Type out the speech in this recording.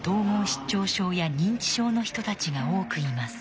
失調症や認知症の人たちが多くいます。